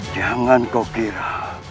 jangan kau kira